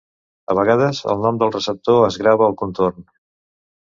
A vegades el nom del receptor es grava al contorn.